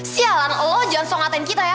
sialan lo jangan sokan aku ya